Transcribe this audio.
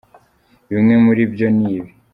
Bimwe muri byo ni ibi :